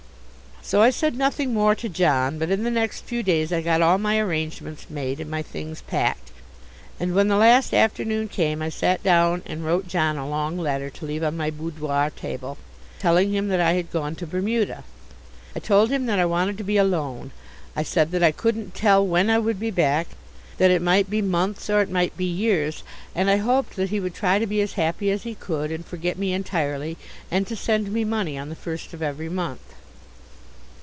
So I said nothing more to John, but in the next few days I got all my arrangements made and my things packed. And when the last afternoon came I sat down and wrote John a long letter, to leave on my boudoir table, telling him that I had gone to Bermuda. I told him that I wanted to be alone: I said that I couldn't tell when I would be back that it might be months, or it might be years, and I hoped that he would try to be as happy as he could and forget me entirely, and to send me money on the first of every month.